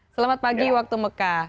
selamat pagi waktu meka